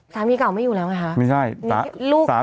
สามีเก่าไม่อยู่แล้วไงคะ